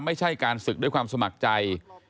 ไม่ใช่การศึกด้วยความสมัครใจ